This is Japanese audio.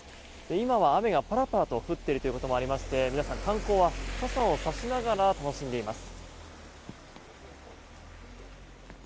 今は雨がパラパラと降っているということもありまして皆さん、観光は傘を差しながら楽しんでいます。